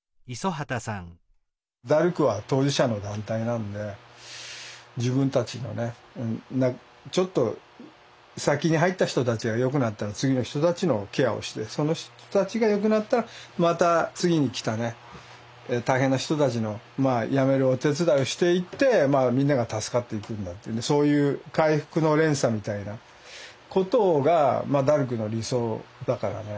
ダルクは当事者の団体なんで自分たちのねちょっと先に入った人たちがよくなったら次の人たちのケアをしてその人たちがよくなったらまた次に来たね大変な人たちのやめるお手伝いをしていってみんなが助かっていくんだっていうそういう回復の連鎖みたいなことがダルクの理想だからね。